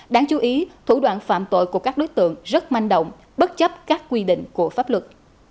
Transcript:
đáng chú ý thủ đoạn phạm tội của các đối tượng rất manh động bất chấp các quy định của pháp luật